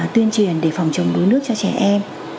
tuyên truyền để phòng chống đuối nước cho trẻ em